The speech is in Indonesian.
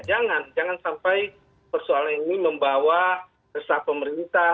jangan jangan sampai persoalan ini membawa resah pemerintah